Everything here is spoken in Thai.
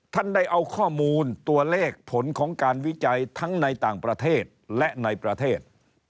ท่านได้เอาข้อมูลตัวเลขผลของการวิจัยทั้งในต่างประเทศและในประเทศ